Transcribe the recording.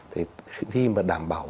thì khi mà đảm bảo